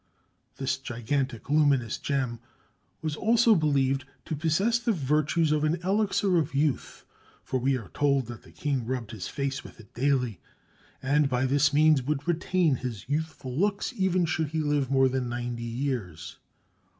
This gigantic luminous gem was also believed to possess the virtues of an elixir of youth, for we are told that the king rubbed his face with it daily and by this means would retain his youthful looks even should he live more than ninety years.